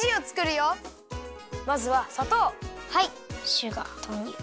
シュガーとうにゅう。